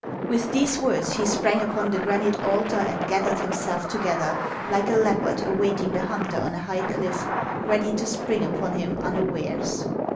With these words, he sprang upon the granite altar and gathered himself together, like a leopard awaiting the hunter on a high cliff, ready to spring upon him unawares.